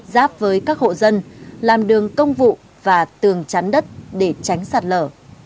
giáp với các hộ dân làm đường công vụ và tường chắn đất để tránh sạt lở